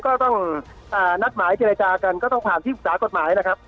ก็ต้องนัดหมายเจรจากันก็ต้องผ่านที่ปรึกษากฎหมายนะครับ